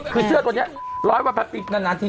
คือเสื้อตัวเนี้ยร้อยว่าประติดนานที